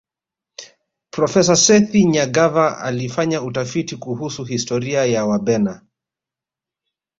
profesa sethi nyagava alifanya utafiti kuhusu historia ya wabena